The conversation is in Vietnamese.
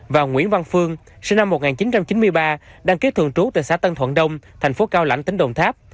và nguyễn văn phương sinh năm một nghìn chín trăm chín mươi ba đăng ký thường trú tại xã tân thuận đông thành phố cao lãnh tỉnh đồng tháp